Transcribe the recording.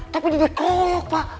tapi dia dikeroyok pak